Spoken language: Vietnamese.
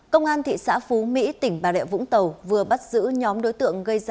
công an thị xã phú mỹ tỉnh bà rẹo vũng tàu vừa bắt giữ nhóm đối tượng gây ra nhiều vấn đề